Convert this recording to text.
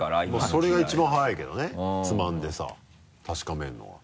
それが一番早いけどねつまんでさ確かめるのが。